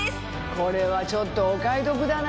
これはちょっとお買い得だな。